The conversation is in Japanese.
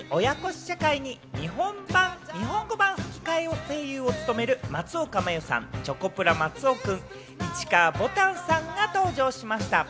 試写会に日本語版の吹き替え声優を務める松岡茉優さん、チョコプラ・松尾くん、市川ぼたんさんが登場しました。